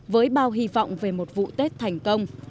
với bao hy vọng về một vụ tết thành công